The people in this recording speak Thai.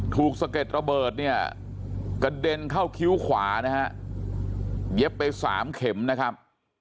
สะเก็ดระเบิดเนี่ยกระเด็นเข้าคิ้วขวานะฮะเย็บไปสามเข็มนะครับ